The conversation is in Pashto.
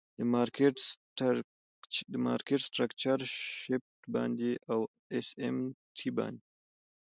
د مارکیټ سټرکچر شفټ باندی او آس آم ټی باندی.